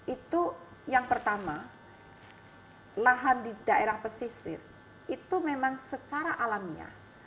itu yang pertama lahan di daerah pesisir itu memang secara alamiah